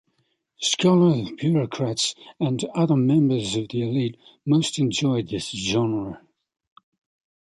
Scholar-bureaucrats and other members of the elite most enjoyed this genre.